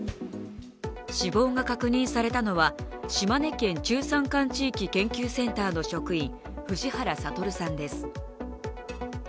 死亡が確認されたのは島根県中山間地域研究センターの職員、藤原さんです。